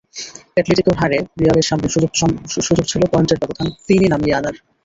অ্যাটলোটিকোর হারে রিয়ালের সামনে সুযোগ ছিল পয়েন্টের ব্যবধান তিনে নামিয়ে আনার।